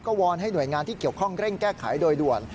วอนให้หน่วยงานที่เกี่ยวข้องเร่งแก้ไขโดยด่วน